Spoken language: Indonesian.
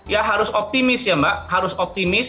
ya harus optimis ya mbak harus optimis